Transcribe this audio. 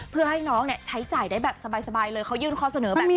เพื่อให้น้องใช้จ่ายได้แบบสบายเลยเขายื่นข้อเสนอแบบนี้